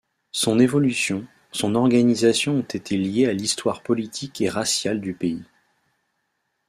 Son évolution, son organisation ont été liées à l'histoire politique et raciale du pays.